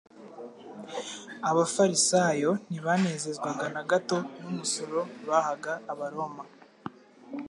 Abafarisayo ntibanezezwaga na gato n'umusoro bahaga abaroma.